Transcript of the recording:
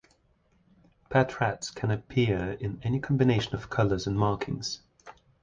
Pet rats can appear in any combination of colors and markings.